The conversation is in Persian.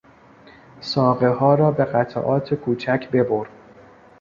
ساقهها را به قطعات کوچک ببر!